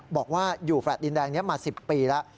บอกว่าอยู่แฟลต์ดินแดงนี้มา๑๐ปีแล้ว